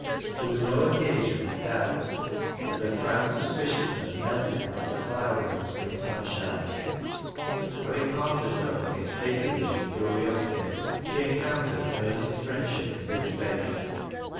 There was no occasion for doubt, and her proud suspiciousness melted like a cloud in the spring sunshine. Having armed herself against patronage and curiosity, she encountered earnest friend ship and good faith.